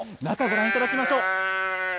中、ご覧いただきましょう。